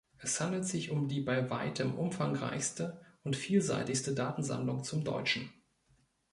Es handelt sich um die bei weitem umfangreichste und vielseitigste Datensammlung zum Deutschen.